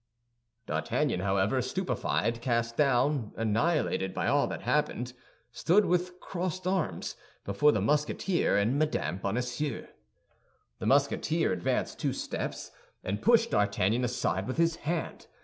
D'Artagnan, however, stupefied, cast down, annihilated by all that happened, stood, with crossed arms, before the Musketeer and Mme. Bonacieux. The Musketeer advanced two steps, and pushed D'Artagnan aside with his hand.